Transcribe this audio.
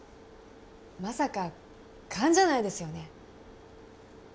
まさか勘じゃないですよね？